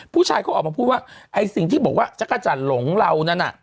ผู้ชายเขาออกมาพูดว่าไอ้สิ่งที่บอกว่าจักรจันทร์หลงเรานั้นน่ะ